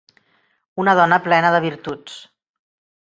Una dona plena de virtuts.